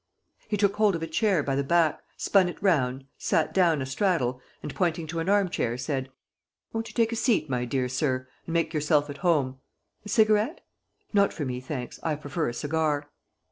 He took hold of a chair by the back, spun it round, sat down a straddle and, pointing to an arm chair, said: "Won't you take a seat, my dear sir, and make yourself at home? A cigarette? Not for me, thanks: I prefer a cigar."